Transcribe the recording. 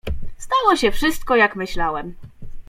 "Stało się wszystko, jak myślałem."